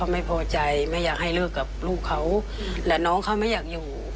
ไม่พอใจไม่อยากให้เลิกกับลูกเขาและน้องเขาไม่อยากอยู่